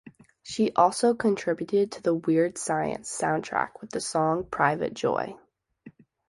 She also contributed to the "Weird Science" soundtrack with the song "Private Joy.